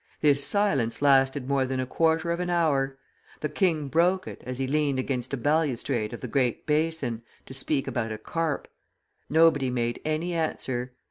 This silence lasted more than a quarter of an hour. The king broke it, as he leaned against a balustrade of the great basin, to speak about a carp. Nobody made any answer.